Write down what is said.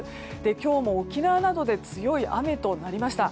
今日も沖縄などで強い雨となりました。